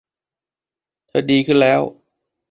เธอดีขึ้นแล้ว